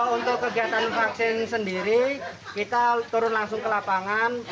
untuk kegiatan vaksin sendiri kita turun langsung ke lapangan